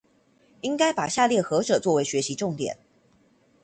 應該把下列何者做為學習重點？